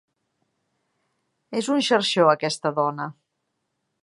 És un xarxó, aquesta dona.